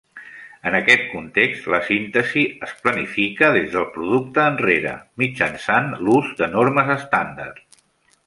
En aquest context, la síntesi es planifica des del producte enrere, mitjançant l'ús de normes estàndard.